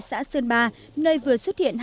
xã sơn ba nơi vừa xuất hiện